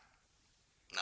lima ratus ribu perak